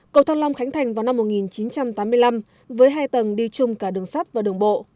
cầu thăng long khánh thành vào năm một nghìn chín trăm tám mươi năm với hai tầng đi chung cả đường sắt và đường bộ